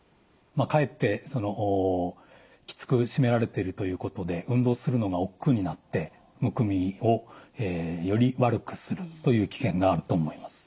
かえってきつく締められてるということで運動するのがおっくうになってむくみをより悪くするという危険があると思います。